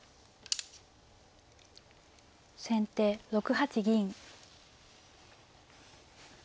先手６八銀。